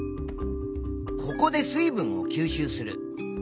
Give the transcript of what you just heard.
ここで水分を吸収する。